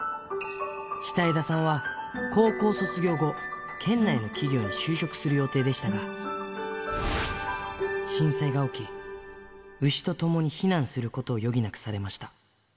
下枝さんは高校卒業後、県内の企業に就職する予定でしたが、震災が起き、牛と共に避難をすることを余儀なくされました。